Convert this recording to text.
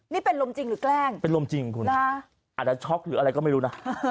นี่เป็นลมจริงหรือแกล้งเป็นลมจริงคุณอาจจะช็อกหรืออะไรก็ไม่รู้นะ